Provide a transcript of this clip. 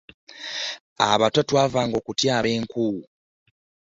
Abato twava nga okutyaaba enku .